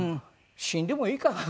死んでもいいかな